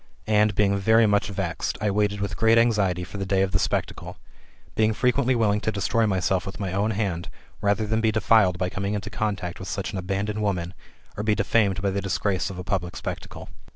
And, being very much vexed, I waited with great anxiety for the day of the spectacle; being frequently willing to destroy myself with my own hand, rather than be defiled by coming into contact with such an abandoned woman, or be defamed by the disgrace of a public spectacle.